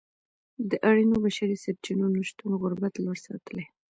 د اړینو بشري سرچینو نشتون غربت لوړ ساتلی.